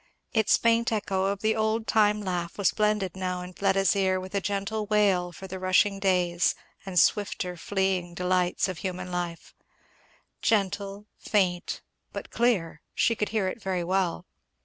Its faint echo of the old time laugh was blended now in Fleda's ear with a gentle wail for the rushing days and swifter fleeing delights of human life; gentle, faint, but clear, she could hear it very well.